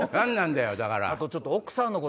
⁉だから。